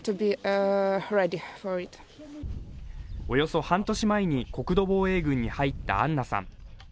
およそ半年前に国土防衛軍に入ったアンナさん